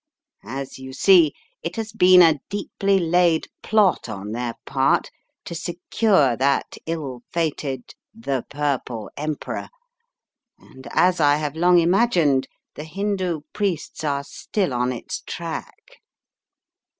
As you see, it has been a deeply laid plot on their part to secure that ill fated 'The Purple Emperor/ and as I hwe long imagined, the Hindoo priests are still on its track.